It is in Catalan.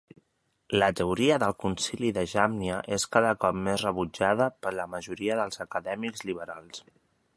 La teoria del Concili de Jàmnia és cada cop més rebutjada per la majoria dels acadèmics liberals.